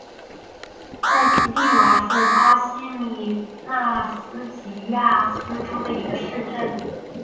埃斯蒂瓦是巴西米纳斯吉拉斯州的一个市镇。